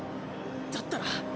だったら。